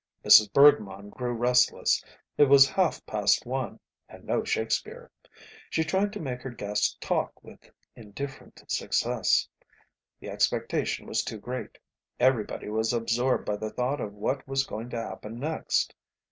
Mrs. Bergmann grew restless. It was half past one, and no Shakespeare. She tried to make her guests talk, with indifferent success. The expectation was too great. Everybody was absorbed by the thought of what was going to happen next.